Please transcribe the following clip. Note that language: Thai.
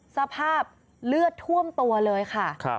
สภาพเลือดท่วมตัวเลยค่ะ